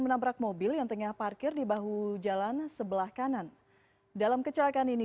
menabrak mobil yang tengah parkir di bahu jalan sebelah kanan dalam kecelakaan ini